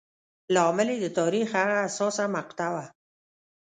لامل یې د تاریخ هغه حساسه مقطعه وه.